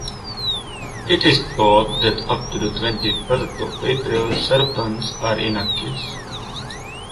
It is thought that up to the twenty-third of April, serpents are innocuous.